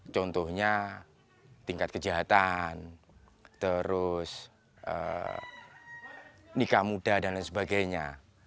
contohnya tingkat kejahatan terus nikah muda dan lain sebagainya